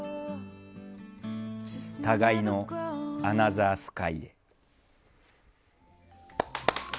互いの「アナザースカイ」へ。